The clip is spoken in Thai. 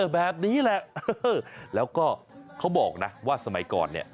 แบบนี้แหละแล้วก็เขาบอกนะว่าสมัยก่อนเนี่ย